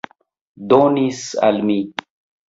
Donis al mi.